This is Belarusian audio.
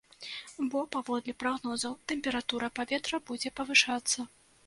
Бо, паводле прагнозаў, тэмпература паветра будзе павышацца.